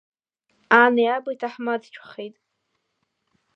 Ани аби ҭаҳмадцәахеит.